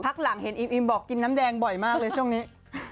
หลังเห็นอิมบอกกินน้ำแดงบ่อยมากเลยช่วงนี้